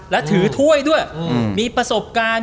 และถือถ้วยด้วยมีประสบการณ์